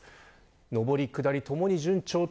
上り下りともに順調と。